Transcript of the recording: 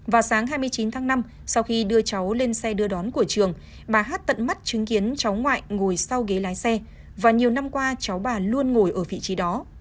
vào sáng hai mươi chín tháng năm sau khi đưa cháu lên xe đưa đón của trường bà hát tận mắt chứng kiến cháu ngoại ngồi sau ghế lái xe và nhiều năm qua cháu bà luôn ngồi ở vị trí đó